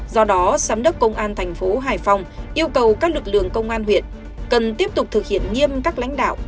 do đó giám đốc công an thành phố hải phòng yêu cầu các lực lượng công an huyện cần tiếp tục thực hiện nghiêm các lãnh đạo